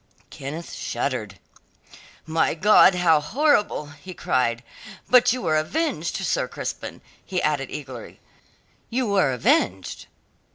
Kenneth shuddered. "My God, how horrible!" he cried. "But you were avenged, Sir Crispin," he added eagerly; "you were avenged?"